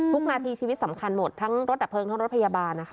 นาทีชีวิตสำคัญหมดทั้งรถดับเพลิงทั้งรถพยาบาลนะคะ